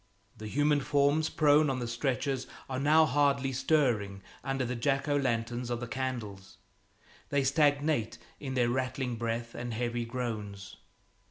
The human forms prone on the stretchers are now hardly stirring under the Jack o' lanterns of the candles; they stagnate in their rattling breath and heavy groans.